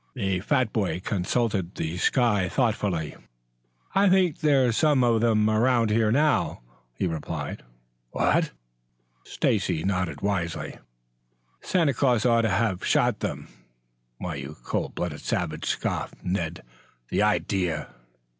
The fat boy consulted the sky thoughtfully. "I think there's some of them around now," he replied. "What?" Stacy nodded wisely. "Santa Claus ought to have shot them." "Why, you cold blooded savage!" scoffed Ned. "The idea!"